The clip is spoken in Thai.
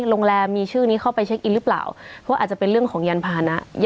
โรงแรมมีชื่อนี้เข้าไปเช็คอินหรือเปล่าเพราะอาจจะเป็นเรื่องของยานพานะ